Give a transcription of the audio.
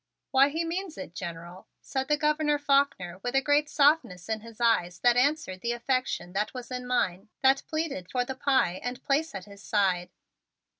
"Why, he means it, General," said the Gouverneur Faulkner with a great softness in his eyes that answered the affection that was in mine that pleaded for the pie and a place at his side.